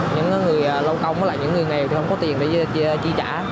những người lâu công và những người nghèo thì không có tiền để chi trả